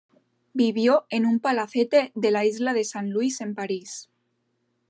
Vivió en un palacete de la Isla de San Luis en París.